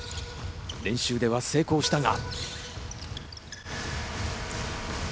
練習では成功したが。